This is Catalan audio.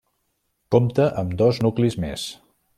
Compta amb dos nuclis més: